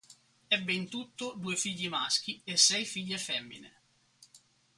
Ebbe in tutto due figli maschi e sei figlie femmine.